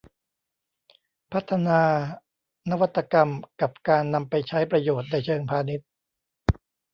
พัฒนานวัตกรรมกับการนำไปใช้ประโยชน์ในเชิงพาณิชย์